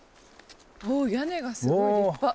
おっ屋根がすごい立派。